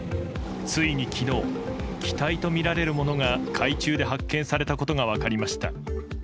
ついに昨日機体とみられるものが海中で発見されたことが分かりました。